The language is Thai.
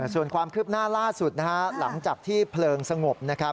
ส่วนความคืบหน้าล่าสุดนะฮะหลังจากที่เพลิงสงบนะครับ